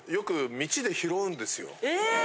え！